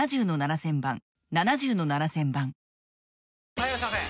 ・はいいらっしゃいませ！